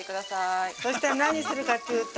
そしたらなにするかっていうと。